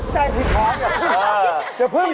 ใจผิดพร้อมอย่าพึ่ง